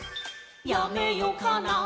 「やめよかな」